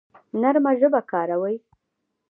نرمه ژبه کاروئ